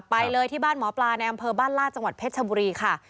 ไปเลยที่บ้านหมอปลาในอำเภอบ้านลาดจังหวัดเพชรชบุรีค่ะ